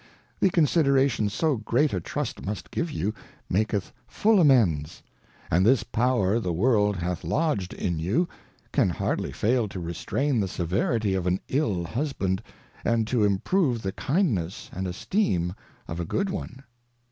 The Con sideration so great a Trust must give you, maketh fuU amends ; and this Power the World hath lodged in you, can hardly fail to restrain the Severity of an ill Husband, and to improve the Kindness and Esteem of a good one.